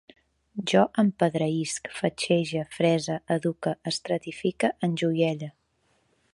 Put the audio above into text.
Jo empedreïsc, fatxege, frese, eduque, estratifique, enjoielle